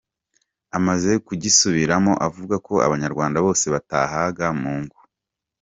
Amaze kugisubiramo, avuga ko abanyarwanda bose batahaga mu ngo.